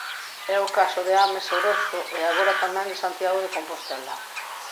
É o caso de Ames, Oroso e, agora, tamén de Santiago de Compostela.